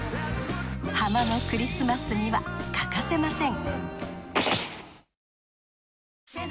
ハマのクリスマスには欠かせません